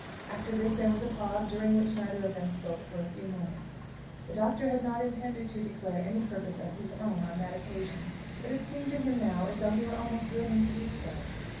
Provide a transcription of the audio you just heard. After this there was a pause, during which neither of them spoke for a few moments. The Doctor had not intended to declare any purpose of his own on that occasion, but it seemed to him now as though he were almost driven to do so.